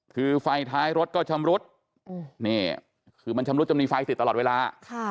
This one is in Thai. คือไฟท้ายรถก็ชำรุดนี่คือมันชำรุดจะมีไฟติดตลอดเวลา